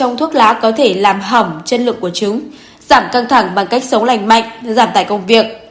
giảm căng thẳng bằng cách sống lành mạnh giảm tài công việc